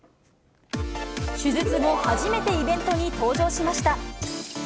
手術後初めてイベントに登場しました。